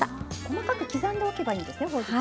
細かく刻んでおけばいいんですねほうじ茶。